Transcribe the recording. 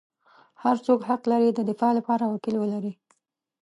هر څوک حق لري د دفاع لپاره وکیل ولري.